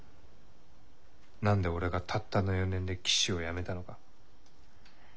何で俺がたったの４年で騎手を辞めたのか。